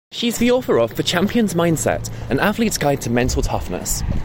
She's the author of "The Champions Mindset - An Athlete's Guide to Mental Toughness".